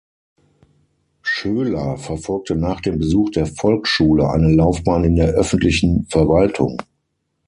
Schöler verfolgte nach dem Besuch der Volksschule eine Laufbahn in der öffentlichen Verwaltung.